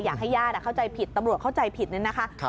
อยากให้ญาติเข้าใจผิดตำรวจเข้าใจผิดเนี่ยนะคะ